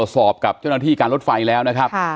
สอบกับเจ้าหน้าที่การรถไฟแล้วนะครับ